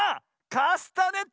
カスタネット！